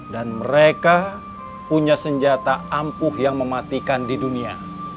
dan mereka punya senjata ampuh yang mematikan di dunia